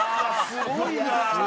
すごいな！